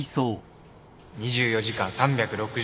２４時間３６５日